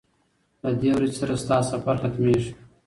له دې ورځي سره ستا سفر ختمیږي